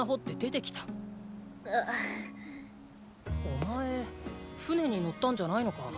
お前船に乗ったんじゃないのか？